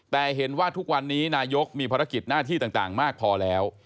แต่เห็นว่าทุกวันนี้นายกมีภารกิจหน้าที่ต่างมากพอแล้ว